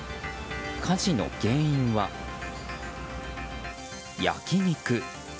火事の原因は、焼き肉。